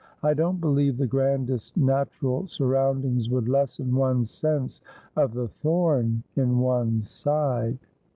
I don't believe the grandest natural sur roundings would lessen one's sense of the thorn in one's side.'